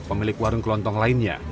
pemilik warung kelontong lainnya